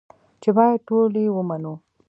چې بايد ټول يې ومنو.